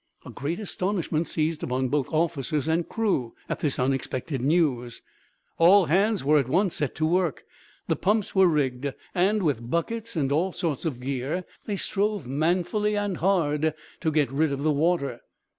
A great astonishment seized upon both officers and crew, at this unexpected news. All hands were at once set to work, the pumps were rigged and, with buckets and all sorts of gear, they strove manfully and hard to get rid of the water.